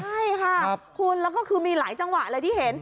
ใช่ค่ะคุณแล้วก็คือมีหลายจังหวะเลยที่เห็น